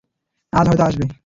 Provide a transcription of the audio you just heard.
আজ হয়তো আসবে।